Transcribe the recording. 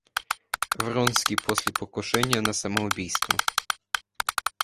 Вронский после покушения на самоубийство.